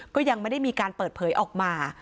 ก็ยังไม่ได้มีการเปิดเผยออกมา